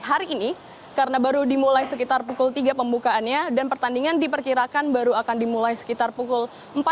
hari ini karena baru dimulai sekitar pukul tiga pembukaannya dan pertandingan diperkirakan baru akan dimulai sekitar pukul empat belas